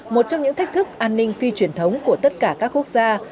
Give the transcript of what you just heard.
một trong những thách thức an ninh phi truyền thống của tất cả các quốc gia